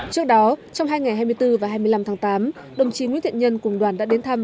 trước đó trong hai ngày hai mươi bốn và hai mươi năm tháng tám đồng chí nguyễn thiện nhân cùng đoàn đã đến thăm